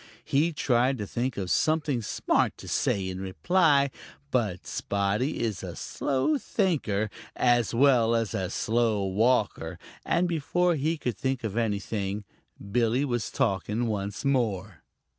He tried to think of something smart to say in reply, but Spotty is a slow thinker as well as a slow walker, and before he could think of anything, Billy was talking once more.